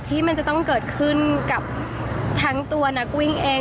ที่มันจะต้องเกิดขึ้นกับทั้งตัวนักวิ่งเอง